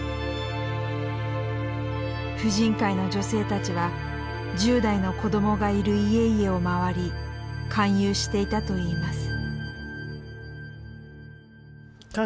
婦人会の女性たちは１０代の子供がいる家々を回り勧誘していたといいます。